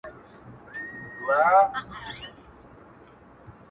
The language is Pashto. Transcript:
• کومه ورځ چي تاته زه ښېرا کوم.